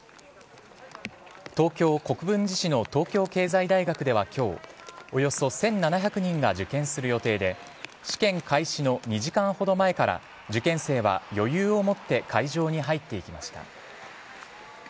東京・国分寺市の東京経済大学では今日およそ１７００人が受験する予定で試験開始の２時間ほど前から受験生は余裕を持って会場に入っていきました。